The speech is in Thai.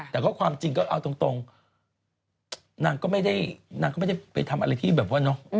แต่ก็ความจริงก็เอาตรงนางก็ไม่ได้นางก็ไม่ได้ไปทำอะไรที่แบบว่าเนอะ